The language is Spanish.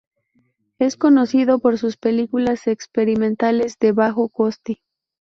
Es conocido por sus películas experimentales de bajo coste.